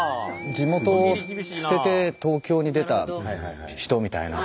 地元を捨てて東京に出た人みたいな。